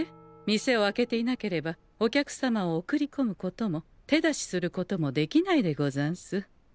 店を開けていなければお客様を送りこむことも手出しすることもできないでござんす。